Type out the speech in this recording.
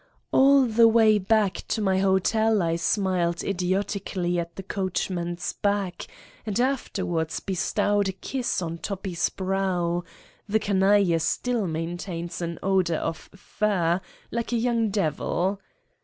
All the way back to my hotel I smiled idiotically ,at the coachman's back and afterwards bestowed a kiss on Toppi's brow the canaile still main tains an odor of fur, like a young devil.